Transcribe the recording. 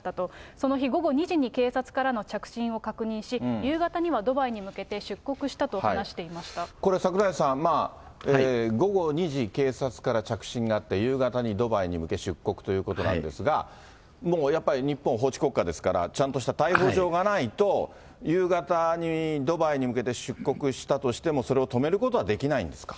その日午後２時に警察からの着信を確認し、夕方にはドバイに向けこれ、櫻井さん、午後２時、警察から着信があって、夕方にドバイに向け出国ということなんですが、もうやっぱり、日本、法治国家ですから、ちゃんとした逮捕状がないと、夕方にドバイに向けて出国したとしても、それを止めることはできないんですか。